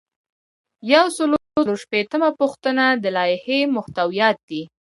یو سل او څلور شپیتمه پوښتنه د لایحې محتویات دي.